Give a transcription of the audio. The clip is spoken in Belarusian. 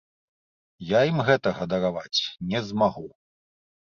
Я ім гэтага дараваць не змагу.